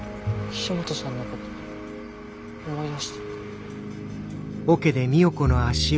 岸本さんのこと思い出して。